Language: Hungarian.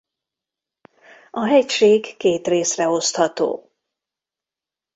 A hegység két részre osztható.